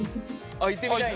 あっ行ってみたい？